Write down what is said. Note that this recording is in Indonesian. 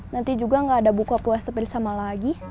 nanti juga nggak ada buka puasa bersama lagi